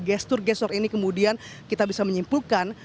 gestur gestur ini kemudian kita bisa menyimpulkan